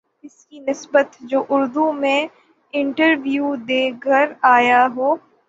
اس کی نسبت جو اردو میں انٹرویو دے کر آ یا ہو